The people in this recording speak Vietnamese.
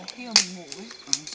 khi mà mình ngủ ý